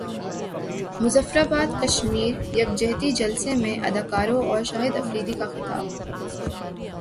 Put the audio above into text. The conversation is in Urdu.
مظفراباد کشمیر یکجہتی جلسہ میں اداکاروں اور شاہد افریدی کا خطاب